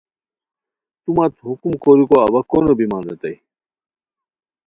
تو مت حکم کوریکو اوا کونو بیمان ریتائے